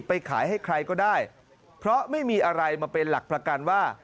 ไปขายให้ใครก็ได้เพราะไม่มีอะไรมาเป็นหลักประกันว่า